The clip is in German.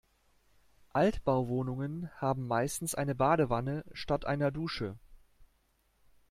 Altbauwohnungen haben meistens eine Badewanne statt einer Dusche.